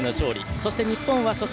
そして、日本は初戦